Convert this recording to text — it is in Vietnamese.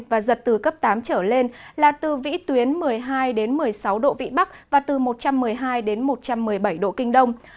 và giật từ cấp tám trở lên là từ vĩ tuyến một mươi hai một mươi sáu độ vĩ bắc và từ một trăm một mươi hai đến một trăm một mươi bảy độ kinh đông